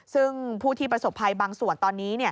ซึ่งผู้ที่ประสบภัยบางส่วนตอนนี้